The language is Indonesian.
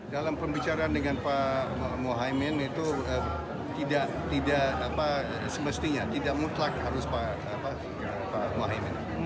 dalam pembicaraan dengan pak mohaimin itu tidak semestinya tidak mutlak harus pak muhaymin